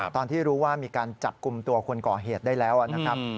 ตอนที่รู้ว่ามีการจับกลุ่มตัวคนก่อเหตุได้แล้วนะครับ